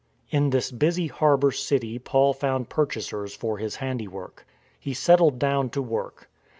In this busy harbour city Paul found purchasers for his handiwork. He settled down to work.